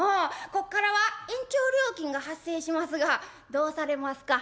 こっからは延長料金が発生しますがどうされますか。